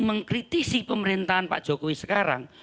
mengkritisi pemerintahan pak jokowi sekarang